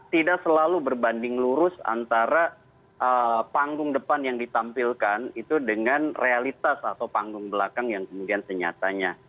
tidak selalu berbanding lurus antara panggung depan yang ditampilkan itu dengan realitas atau panggung belakang yang kemudian senyatanya